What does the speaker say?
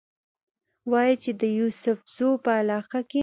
وايي چې د يوسفزو پۀ علاقه کښې